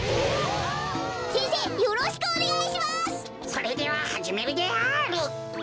それでははじめるである。